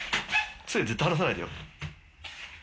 つえ絶対離さないでよ。